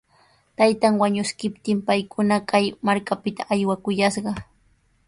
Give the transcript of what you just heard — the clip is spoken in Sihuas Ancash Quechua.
Taytan wañuskiptin paykuna kay markapita aywakuyashqa.